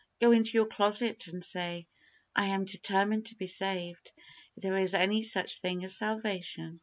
Go into your closet and say, "I am determined to be saved, if there is any such thing as salvation."